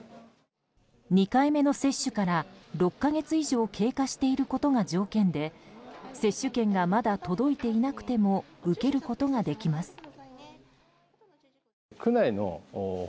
２回目の接種から６か月以上経過していることが条件で接種券がまだ届いていなくても受けることができます。